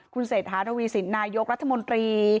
คุณเศรษฐาทวีสินนายกรัฐมนตรี